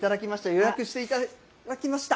予約していただきました。